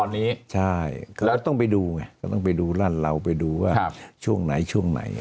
ตอนนี้ใช่ก็ต้องไปดูไงก็ต้องไปดูรั่นเราไปดูว่าช่วงไหนช่วงไหน